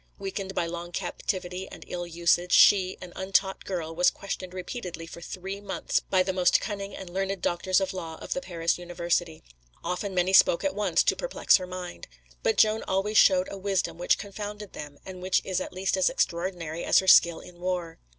Weakened by long captivity and ill usage, she, an untaught girl, was questioned repeatedly for three months by the most cunning and learned doctors of law of the Paris University. Often many spoke at once, to perplex her mind. But Joan always showed a wisdom which confounded them, and which is at least as extraordinary as her skill in war.